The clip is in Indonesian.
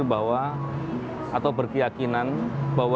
itu membuat saya berpikir bahwa